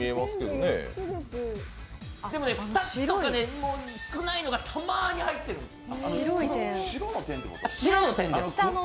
でも２つとか、少ないのがたまーに入ってるんです。